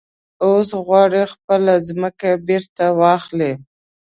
اوس غواړي خپله ځمکه بېرته واخلي.